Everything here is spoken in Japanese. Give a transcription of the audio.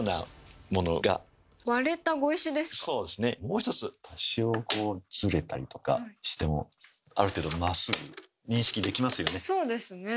もう一つ多少こうずれたりとかしてもある程度まっすぐ認識できますよね。